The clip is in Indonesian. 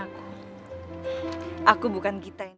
aku harus merayakan kemenangan aku